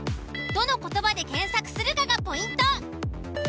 どの言葉で検索するかがポイント。